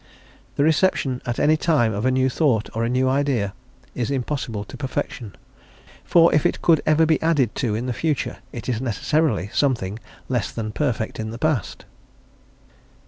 The reception at any time of a new thought or a new idea is impossible to perfection, for if it could ever be added to in the future it is necessarily something less than perfect in the past.